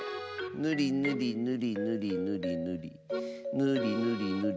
ぬりぬりぬりぬりぬりぬりぬりぬり。